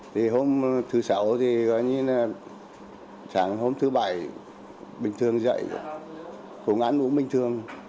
thì hôm thứ sáu thì gọi như là sáng hôm thứ bảy bình thường dậy cũng ăn uống bình thường